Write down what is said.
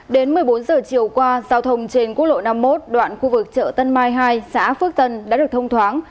đến một mươi bốn giờ chiều qua giao thông trên quốc lộ năm mươi một đoạn khu vực chợ tân mai hai xã phước tân đã được thông thoáng